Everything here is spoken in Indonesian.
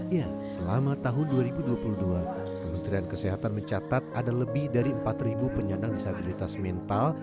ya selama tahun dua ribu dua puluh dua kementerian kesehatan mencatat ada lebih dari empat penyandang disabilitas mental